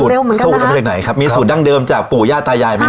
แล้วสูตรออกไปจากไหนครับมีสูตรดั้งเดิมจากปู่ย่าตายายมั้ย